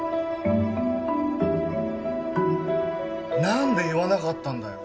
何で言わなかったんだよ